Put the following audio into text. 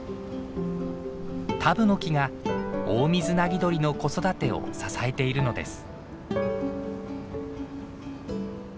タブノキがオオミズナギドリの子育てを支えているのです。